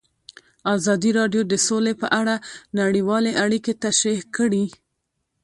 ازادي راډیو د سوله په اړه نړیوالې اړیکې تشریح کړي.